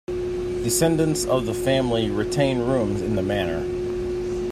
Descendants of the family retain rooms in the manor.